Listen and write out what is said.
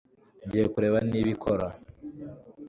Ngiye kureba niba ikora